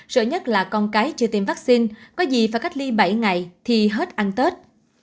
sợ nhất là con cái chưa tiêm vaccine có gì phải cách ly bảy ngày thì hết ăn tết